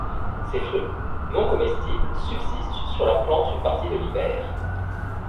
Ces fruits, non comestibles, subsistent sur la plante une partie de l'hiver.